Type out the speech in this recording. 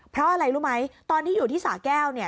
เพราะอะไรรู้ไหมตอนที่อยู่ที่สาแก้วเนี่ย